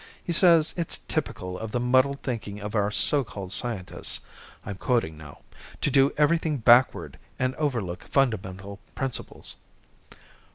He says it's typical of the muddled thinking of our so called scientists I'm quoting now to do everything backward and overlook fundamental principles."